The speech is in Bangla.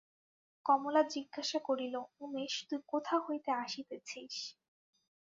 কমলা জিজ্ঞাসা করিল, উমেশ, তুই কোথা হইতে আসিতেছিস?